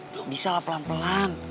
belum bisa lah pelan pelan